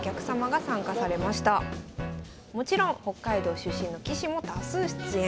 もちろん北海道出身の棋士も多数出演。